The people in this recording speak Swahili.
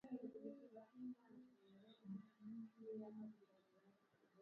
Wanyama tofauti huingiliana kwenye maeneo ya kunyweshea maji na malishoni